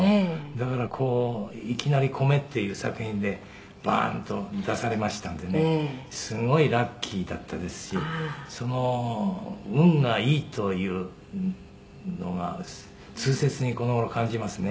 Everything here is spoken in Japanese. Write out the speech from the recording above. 「だからこういきなり『米』っていう作品でバーンと出されましたんでねすごいラッキーだったですしその運がいいというのが痛切にこの頃感じますね」